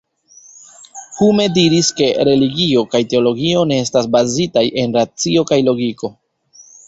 Hume diris ke religio kaj teologio ne estas bazitaj en racio kaj logiko.